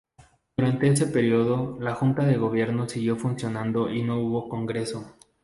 Durante ese periodo la Junta de Gobierno siguió funcionando y no hubo Congreso.